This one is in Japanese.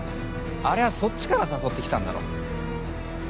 あれはそっちから誘ってきたんだろ。